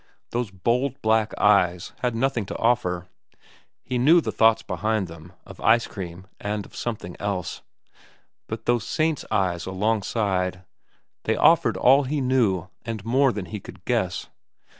Those bold black eyes had nothing to offer. He knew the thoughts behind them—of ice cream and of something else. But those saint's eyes alongside—they offered all he knew and more than he could guess.